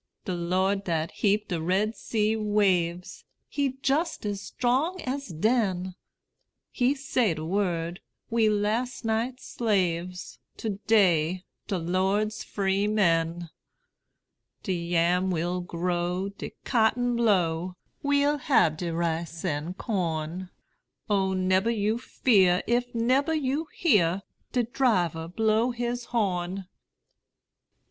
De Lord dat heap de Red Sea waves, He jus' as 'trong as den; He say de word: we las' night slaves; To day, de Lord's free men. De yam will grow, de cotton blow, We'll hab de rice an' corn: O nebber you fear, if nebber you hear De driver blow his horn!